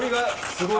すごい。